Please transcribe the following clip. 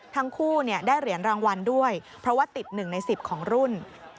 ทั้งคู่ได้เหรียญรางวัลด้วยเพราะว่าติด๑ใน๑๐ของรุ่น